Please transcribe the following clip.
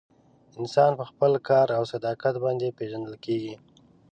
انسان په خپل کار او صداقت باندې پیژندل کیږي.